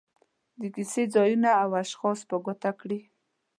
د کیسې ځایونه او اشخاص په ګوته کړي.